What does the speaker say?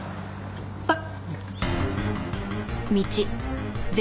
あっ！